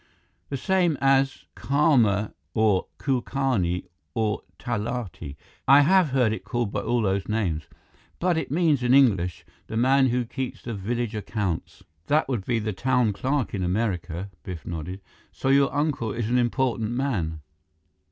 "The same as karnam or kulkarni or talati I have heard it called by all those names but it means in English, the man who keeps the village accounts." "That would be the town clerk in America." Biff nodded. "So your uncle is an important man.